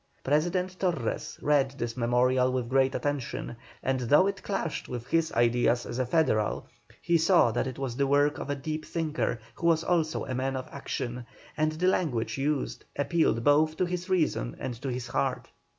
President Torres read this memorial with great attention, and though it clashed with his ideas as a federal, he saw that it was the work of a deep thinker who was also a man of action, and the language used appealed both to his reason and to his heart.